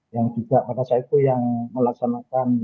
yang juga pada saipu yang melaksanakan